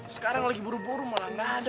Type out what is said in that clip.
sekarang lagi buru buru malah gak ada